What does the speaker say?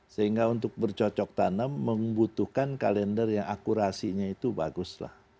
sehingga untuk bercocok tanam membutuhkan kalender yang akurasinya itu baguslah